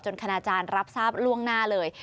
คณาจารย์รับทราบล่วงหน้าเลย